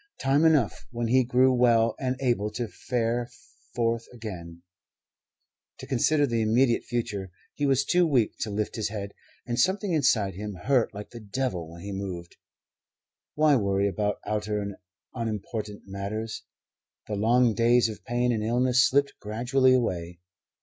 Time enough when he grew well and able to fare forth again, to consider the immediate future. He was too weak to lift his head, and something inside him hurt like the devil when he moved. Why worry about outer and unimportant matters? The long days of pain and illness slipped gradually away.